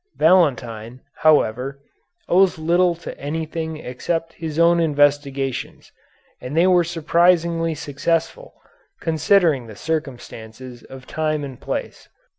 Valentine, however, owes little to anything except his own investigations, and they were surprisingly successful, considering the circumstances of time and place.